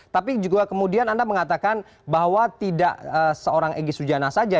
tapi juga kemudian anda mengatakan bahwa tidak seorang egy sujana saja